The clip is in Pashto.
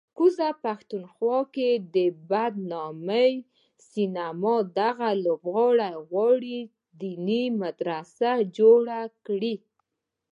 کوزه پښتونخوا کې د بدنامې سینما دغه لوبغاړی غواړي دیني مدرسه جوړه کړي